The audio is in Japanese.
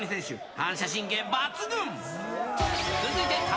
反射神経抜群。